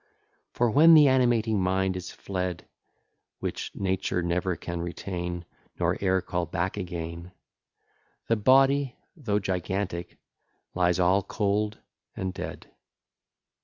For, when the animating mind is fled, (Which nature never can retain, Nor e'er call back again,) The body, though gigantic, lies all cold and dead.